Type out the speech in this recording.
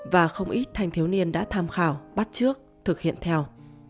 và không ít thanh thiếu niên đã tham khảo bắt trước thực hiện theo